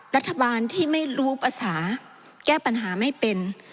รัฐบาลที่ไม่รู้ภาษาแก้ปัญหาไม่เป็น